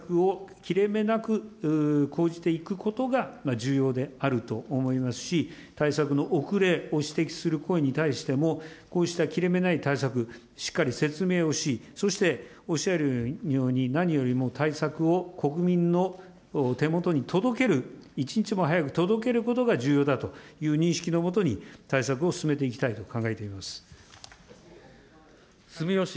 こうした対策を切れ目なく講じていくことが重要であると思いますし、対策の遅れを指摘する声に対しても、こうした切れ目ない対策、しっかり説明をし、そしておっしゃるように、何よりも対策を国民の手元に届ける、一日も早く届けることが重要だという認識のもとに、対策を進めていきたいと考えています。